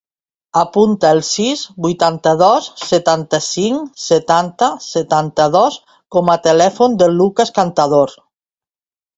Apunta el sis, vuitanta-dos, setanta-cinc, setanta, setanta-dos com a telèfon del Lukas Cantador.